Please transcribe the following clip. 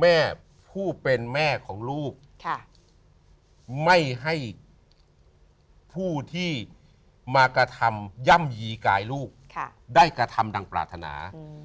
แม่ผู้เป็นแม่ของลูกไม่ให้ผู้ที่มากระทำย่ำยีกายลูกได้กระทำดังปรารถนา